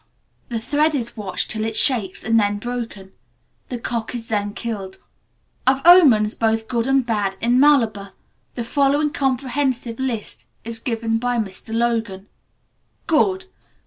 The thread is watched till it shakes, and then broken. The cock is then killed. Of omens, both good and bad, in Malabar, the following comprehensive list is given by Mr Logan : "Good.